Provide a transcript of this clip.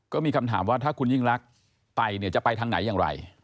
ก็มีคำถามว่าถ้าคุณยิ่งลักษณ์ไปเนี่ยจะไปทางไหนอย่างไร